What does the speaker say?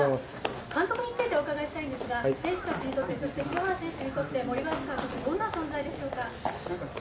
監督についてお伺いしたいんですが、選手たちにとって、そして清原選手にとって、森林監督、どんな存在でしょうか。